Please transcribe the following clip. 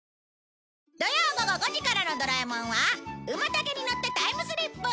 土曜午後５時からの『ドラえもん』はウマタケにのってタイムスリップ！